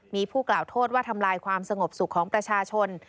มีผู้กล่าวโทษว่าทำลายความสงบสุขของประชาชน